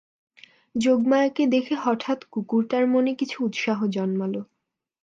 যোগমায়াকে দেখে হঠাৎ কুকুরটার মনে কিছু উৎসাহ জন্মালো।